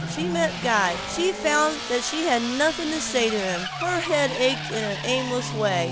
She met Guy; she found that she had nothing to say to him. Her head ached in an aimless way.